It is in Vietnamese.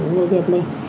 người việt mình